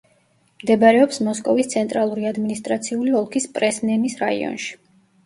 მდებარეობს მოსკოვის ცენტრალური ადმინისტრაციული ოლქის პრესნენის რაიონში.